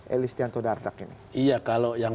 elistianto dardak ini iya kalau yang